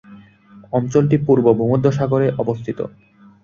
অঞ্চলটির পূর্বে ভূমধ্যসাগর অবস্থিত।